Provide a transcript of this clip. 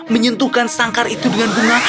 menyentuhkan sangkar itu dengan bunga